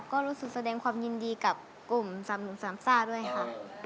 ก็รู้สึกแสดงความยินดีกับกลุ่ม๓๐๓จ้าด้วยค่ะ